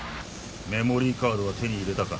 メモリーカードは手に入れたか？